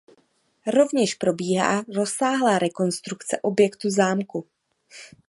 Rovněž probíhá rozsáhlá rekonstrukce objektu zámku.